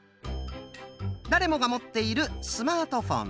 誰もが持っているスマートフォン。